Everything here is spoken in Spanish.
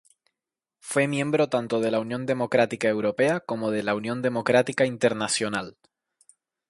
Fue miembro tanto de la Unión Democrática Europea como de la Unión Democrática Internacional.